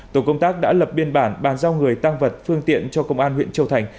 tổ công tác đã lập biên bản bàn giao người tăng vật phương tiện cho công an huyện châu thành